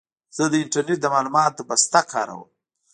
زه د انټرنېټ د معلوماتو بسته کاروم.